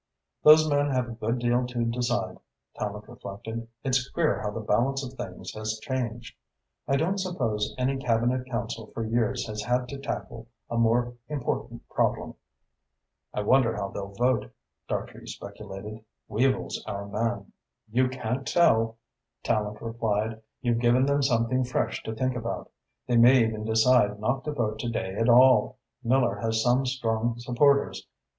"Those men have a good deal to decide," Tallente reflected. "It's queer how the balance of things has changed. I don't suppose any Cabinet Council for years has had to tackle a more important problem." "I wonder how they'll vote," Dartrey speculated. "Weavel's our man." "You can't tell," Tallente replied. "You've given them something fresh to think about. They may even decide not to vote to day at all. Miller has some strong supporters.